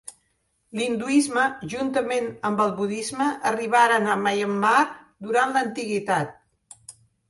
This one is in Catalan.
L'hinduisme juntament amb el budisme, arribaren a Myanmar durant l'antiguitat.